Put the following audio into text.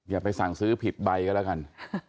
อย่าไปสั่งซื้อผิดใบก็แล้วกัน